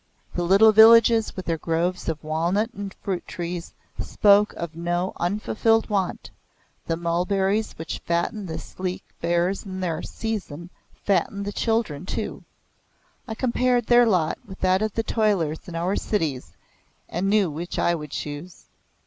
The little villages with their groves of walnut and fruit trees spoke of no unfulfilled want, the mulberries which fatten the sleek bears in their season fattened the children too. I compared their lot with that of the toilers in our cities and knew which I would choose.